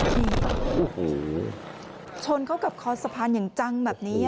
โอ้โหชนเข้ากับคอสะพานอย่างจังแบบนี้